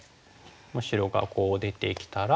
白がこう出てきたら。